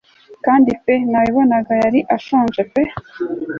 kandi pee nabibonaga yaru ashonje pe